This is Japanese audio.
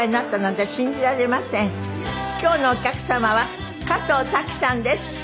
今日のお客様は加藤タキさんです。